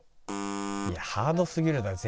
いやハードすぎるだろ。